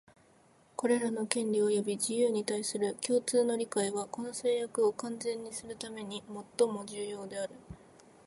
これらの権利及び自由に対する共通の理解は、この誓約を完全にするためにもっとも重要である